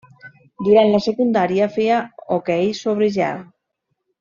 Durant la secundària feia hoquei sobre gel.